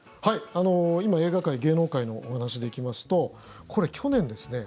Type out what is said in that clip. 今、映画界、芸能界のお話で行きますとこれ、去年ですね